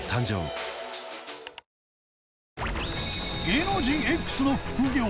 芸能人 Ｘ の副業